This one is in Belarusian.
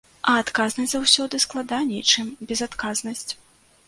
А адказнасць заўсёды складаней, чым безадказнасць.